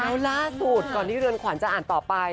เอาล่าสุดก่อนที่เรือนขวัญจะอ่านต่อไป